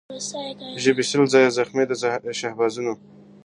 ژبي سل ځايه زخمي د شهبازونو٫